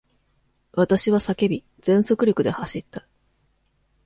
私は叫び、全速力で走った。